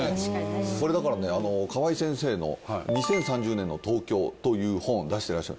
だからね河合先生が『２０３０年の東京』という本を出してらっしゃる。